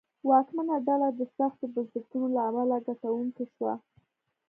واکمنه ډله د سختو بنسټونو له امله ګټونکې شوه.